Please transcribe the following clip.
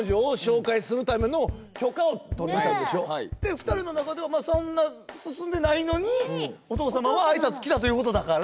２人の中ではそんな進んでないのにお父様は挨拶来たということだから。